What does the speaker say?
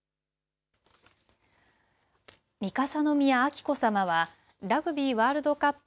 三笠宮彬子さまはラグビーワールドカップ